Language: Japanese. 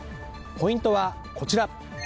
ポイントはこちら。